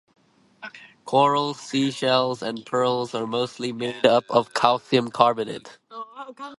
Corals, sea shells, and pearls are mostly made up of calcium carbonate.